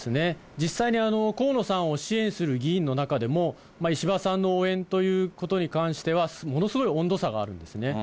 実際に河野さんを支援する議員の中でも、石破さんの応援ということに関しては、ものすごい温度差があるんですね。